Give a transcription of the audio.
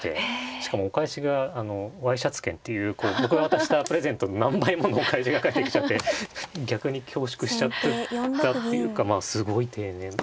しかもお返しがワイシャツ券っていう僕が渡したプレゼントの何倍ものお返しが返ってきちゃって逆に恐縮しちゃったっていうかまあすごい丁寧な。